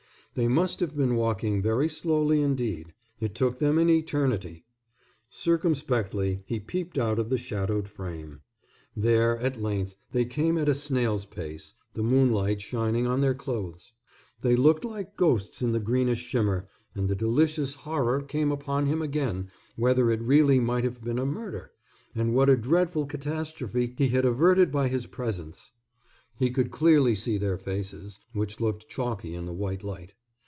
They must have been walking very slowly indeed. It took them an eternity. Circumspectly he peeped out of the shadowed frame. There, at length, they came at a snail's pace, the moonlight shining on their clothes. They looked like ghosts in the greenish shimmer, and the delicious horror came upon him again whether it really might have been a murder, and what a dreadful catastrophe he had averted by his presence. He could clearly see their faces, which looked chalky in the white light.